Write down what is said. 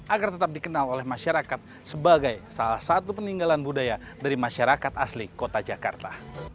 agar tetap dikenal oleh masyarakat sebagai salah satu peninggalan budaya dari masyarakat asli kota jakarta